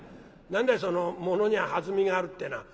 何だいその『ものには弾みがある』ってのは？」。